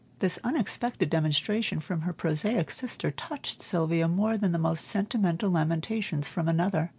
This unexpected demonstration from her prosaic sister touched Sylvia more than the most sentimental lamentations from another.